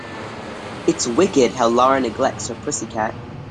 It's wicked how Lara neglects her pussy cat.